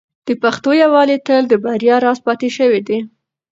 د پښتنو یووالی تل د بریا راز پاتې شوی دی.